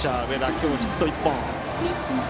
今日、ヒット１本。